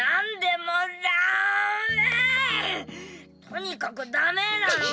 とにかくダメらの！